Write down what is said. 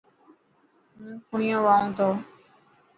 هون فڻنيون وائون تو.